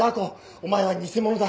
お前は偽者だ。